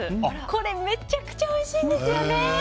これ、めちゃくちゃおいしいんですよね。